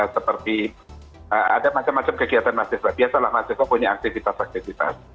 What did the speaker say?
seperti ada macam macam kegiatan mahasiswa biasa lah mahasiswa punya aktivitas aktivitas